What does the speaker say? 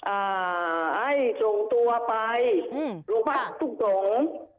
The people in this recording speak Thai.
อ่าส่งตัวไปหลวงป้าทรงสง